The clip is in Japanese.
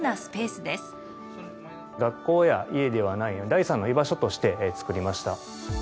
学校や家ではない第３の居場所として作りました。